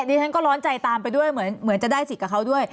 ดิฉันก็ร้อนใจตามไปด้วยเหมือนจะได้สิทธิ์กับเขาด้วย